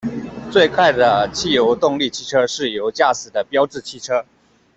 最快的汽油动力汽车是由驾驶的标致汽车。